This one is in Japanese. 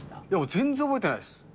全然覚えてないです。